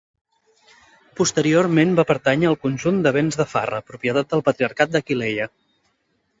Posteriorment va pertànyer al conjunt de bens de Farra, propietat del Patriarcat d'Aquileia.